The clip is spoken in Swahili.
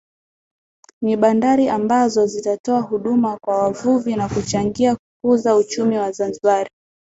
Ni bandari ambazo zitatoa huduma kwa wavuvi na kuchangia kukuza uchumi wa Zanzibar